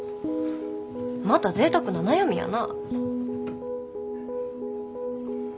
またぜいたくな悩みやな。